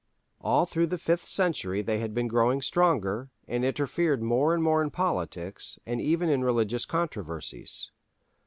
(7) All through the fifth century they had been growing stronger, and interfered more and more in politics, and even in religious controversies.